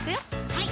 はい